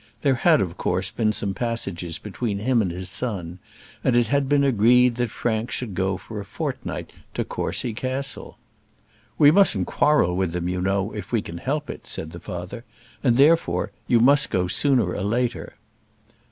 There had, of course, been some passages between him and his son, and it had been agreed that Frank should go for a fortnight to Courcy Castle. "We mustn't quarrel with them, you know, if we can help it," said the father; "and, therefore, you must go sooner or later."